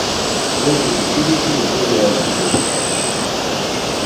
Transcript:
Толку се трудеше, но тој не ја слушаше.